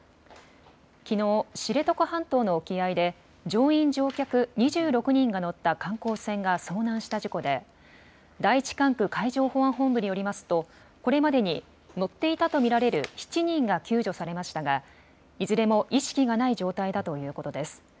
きのう知床半島の沖合で乗員・乗客２６人が乗った観光船が遭難した事故で第１管区海上保安本部によりますとこれまでに乗っていたと見られる７人が救助されましたがいずれも意識がない状態だということです。